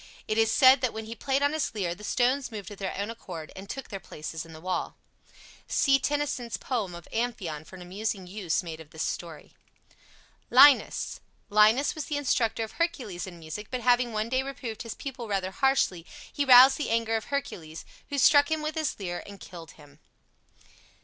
It is said that when he played on his lyre the stones moved of their own accord and took their places in the wall. See Tennyson's poem of "Amphion" for an amusing use made of this story. LINUS Linus was the instructor of Hercules in music, but having one day reproved his pupil rather harshly, he roused the anger of Hercules, who struck him with his lyre and killed him.